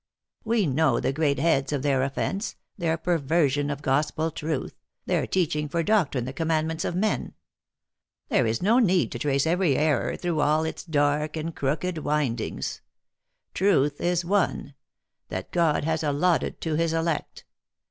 " We know the great heads of their offense their perversion of gospel truth their teaching for doc trine the commandments of men. There is no need to trace every error through all its dark and crooked windings. Truth is one : that God has allotted to his elect.